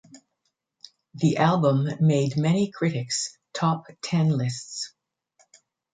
The album made many critics' top ten lists.